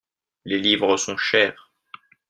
Les livres sont chers.